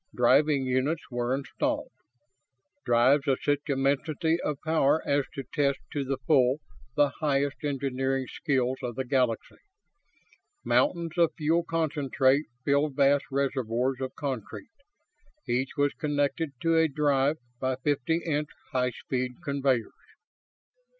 Driving units were installed drives of such immensity of power as to test to the full the highest engineering skills of the Galaxy. Mountains of fuel concentrate filled vast reservoirs of concrete. Each was connected to a drive by fifty inch high speed conveyors.